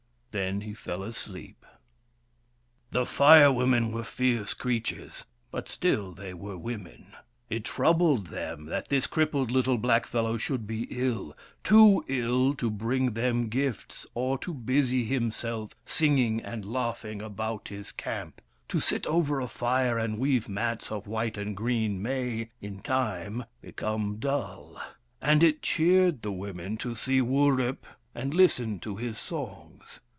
Then he fell asleep. The Fire Women were fierce creatures, but still they were women. It troubled them that this crippled little blackfellow should be ill, too ill to bring them gifts or to busy himself, singing and laughing about his camp. To sit over a fire and weave mats of white and green may, in time, become dull ; and it cheered the women to see Wurip and listen to his songs.